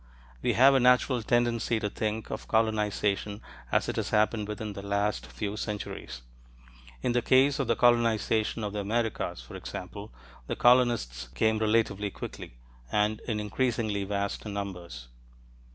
We have a natural tendency to think of "colonization" as it has happened within the last few centuries. In the case of the colonization of the Americas, for example, the colonists came relatively quickly, and in increasingly vast numbers.